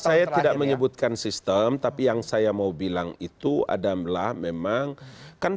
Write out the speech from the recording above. saya tidak menyebutkan sistem tapi yang saya mau bilang itu adamlah memang kan